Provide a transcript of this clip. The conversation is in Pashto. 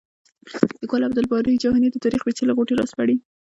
لیکوال عبدالباري جهاني د تاریخ پېچلې غوټې راسپړي.